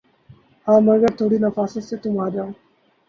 ہاں مگر تھوڑی نفاست سے تُم آؤجاؤ